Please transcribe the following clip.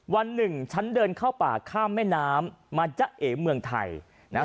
วันหนึ่งฉันเดินเข้าป่าข้ามแม่น้ำมาจ๊ะเอ๋เมืองไทยนะฮะ